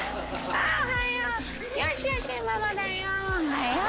あおはよう。